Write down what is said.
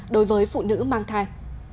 đối với phụ nữ mang thai